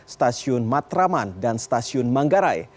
stasiun matraman dan stasiun manggarai